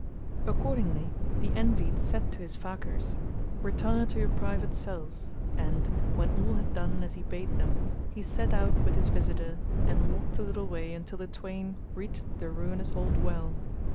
Accordingly the Envied said to his Fakirs, "Retire to your private cells;" and, when all had done as he bade them, he set out with his visitor and walked a little way until the twain reached the ruinous old well.